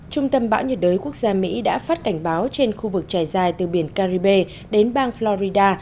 trung tâm bão nhiệt đới quốc gia mỹ đã phát cảnh báo trên khu vực trải dài từ biển caribe đến bang florida